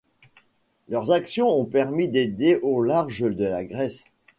Leurs actions ont permis d'aider au large de la Grèce.